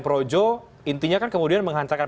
projo intinya kan kemudian menghantarkan